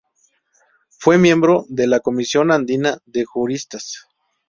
Fue miembro de la Comisión Andina de Juristas.